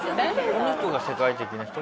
この人が世界的な人？